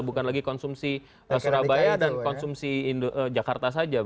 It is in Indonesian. bukan lagi konsumsi surabaya dan konsumsi jakarta saja